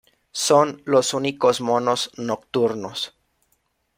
Son los únicos monos nocturnos.